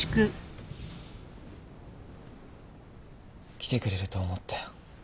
来てくれると思ったよ。